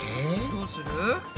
どうする？